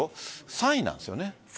３位なんですよね。